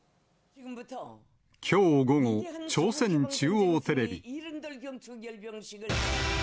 きょう午後、朝鮮中央テレビ。